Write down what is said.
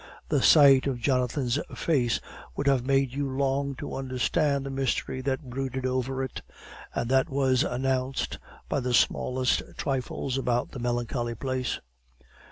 The sight of Jonathan's face would have made you long to understand the mystery that brooded over it, and that was announced by the smallest trifles about the melancholy place.